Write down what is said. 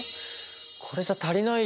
これじゃ足りないよ。